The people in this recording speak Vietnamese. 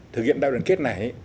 thực hiện đại đoàn kết này